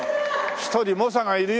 １人猛者がいるよ